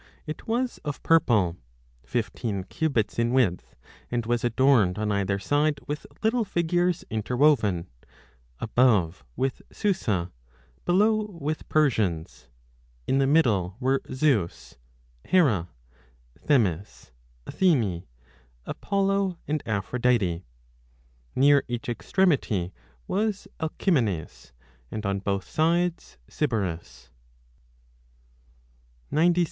It was of purple, fifteen cubits in width, and was adorned on either side with little figures inwoven, above with Susa, 35 below with Persians ; in the middle were Zeus, Hera, Themis, Athene, Apollo, and Aphrodite. Near each extremity was Alcimenes, and on both sides Sybaris.